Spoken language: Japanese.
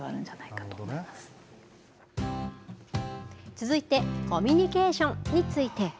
続いてコミュニケーションについて。